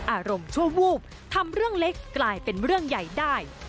อารมณ์ชั่ววูบทำเรื่องเล็กกลายเป็นเรื่องใหญ่ได้